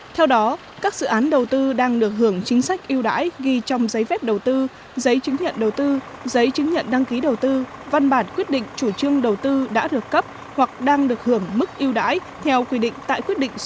theo đó các dự án đầu tư đang được hưởng chính sách yêu đãi ghi trong giấy phép đầu tư giấy chứng nhận đầu tư giấy chứng nhận đăng ký đầu tư văn bản quyết định chủ trương đầu tư đã được cấp hoặc đang được hưởng mức yêu đãi theo quy định tại quyết định số bảy mươi hai hai nghìn một mươi tám